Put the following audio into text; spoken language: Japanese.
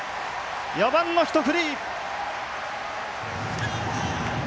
４番のひと振り。